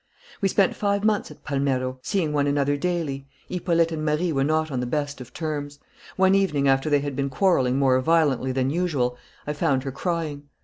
"We spent five months at Palmero, seeing one another daily. Hippolyte and Marie were not on the best of terms. One evening after they had been quarrelling more violently than usual I found her crying.